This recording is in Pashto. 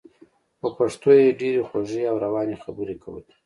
په پښتو یې ډېرې خوږې او روانې خبرې کولې.